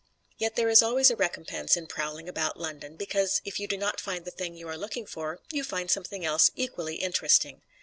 Yet there is always a recompense in prowling about London, because if you do not find the thing you are looking for, you find something else equally interesting.